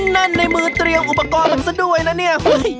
นั่นในมือเตรียมอุปกรณ์กันซะด้วยนะเนี่ย